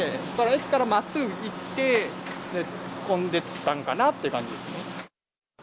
駅からまっすぐ行って、突っ込んでったんかなっていう感じですね。